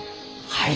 はい！